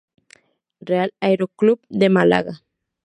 Real Aeroclub de Málaga